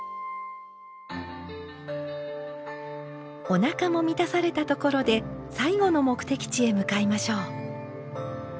おなかも満たされたところで最後の目的地へ向かいましょう。